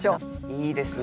いいですね。